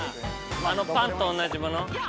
あのパンと同じもの。